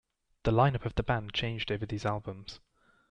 The lineup of the band changed over these albums.